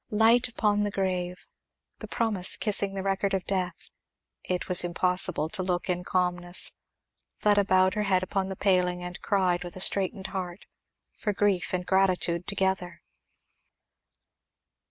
Light upon the grave! The promise kissing the record of death! It was impossible to look in calmness. Fleda bowed her head upon the paling and cried with a straitened heart, for grief and gratitude together.